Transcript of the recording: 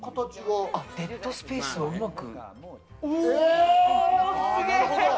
デッドスペースをうまく。